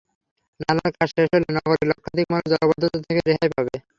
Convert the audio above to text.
নালার কাজ শেষ হলে নগরের লক্ষাধিক মানুষ জলাবদ্ধতা থেকে রেহাই পাবে।